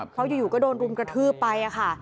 เพราะอยู่ก็โดนรุมกระทืบไปค่ะ